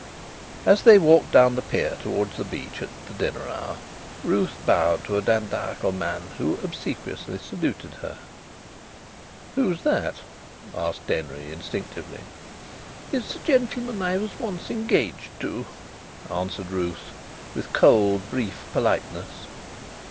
As they walked down the pier towards the beach, at the dinner hour, Ruth bowed to a dandiacal man who obsequiously saluted her. "Who's that?" asked Denry, instinctively. "It's a gentleman that I was once engaged to," answered Ruth, with cold, brief politeness.